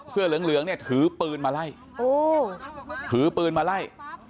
เสื้อเหลืองเหลืองเนี่ยถือปืนมาไล่ถือปืนมาไล่